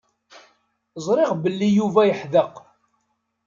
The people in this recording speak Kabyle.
Ẓriɣ belli Yuba yeḥdeq.